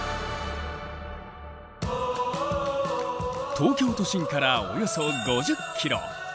東京都心からおよそ５０ｋｍ。